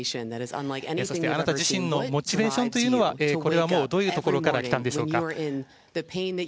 あなた自身のモチベーションというのはどういうところから来たんでしょうか。